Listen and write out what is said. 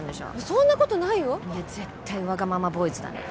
そんなことないよいや絶対わがままボーイズだね